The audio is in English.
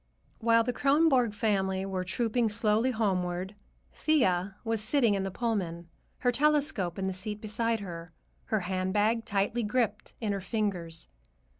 While the Kronborg family were trooping slowly homeward, Thea was sitting in the Pullman, her telescope in the seat beside her, her handbag tightly gripped in her fingers.